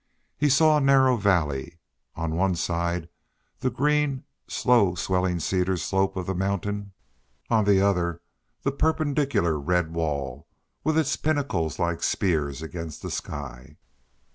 He saw a narrow valley; on one side the green, slow swelling cedar slope of the mountain; on the other the perpendicular red wall, with its pinnacles like spears against the sky.